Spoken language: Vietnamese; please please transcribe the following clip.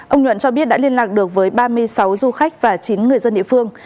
ông nhuận cho biết đã liên lạc được với ba mươi sáu du khách và chín người dân địa phương